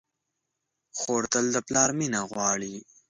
خور تل د پلار مینه غواړي.